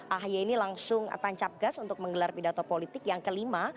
ahy ini langsung tancap gas untuk menggelar pidato politik yang kelima